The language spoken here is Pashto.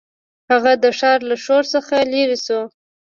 هغه د ښار له شور څخه لیرې شو.